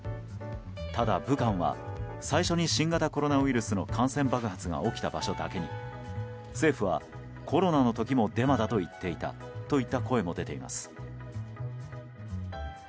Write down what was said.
ただ、武漢は最初に新型コロナウイルスの感染爆発が起きた場所だけに政府はコロナの時もデマだと言っていたという声も出ています。